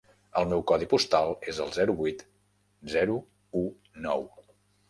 El meu codi postal és el zero vuit zero u nou.